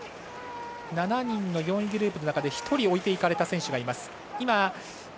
７人の４位グループの中で１人置いていかれた選手がいます。